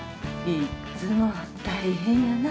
いっつも大変やな。